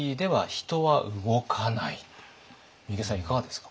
三池さんいかがですか？